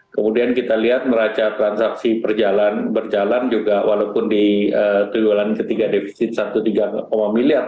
kemudian kita lihat neraca transaksi berjalan juga walaupun di tujuan ketiga defisit satu tiga miliar